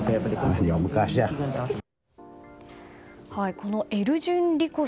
このエルジュン・リコ氏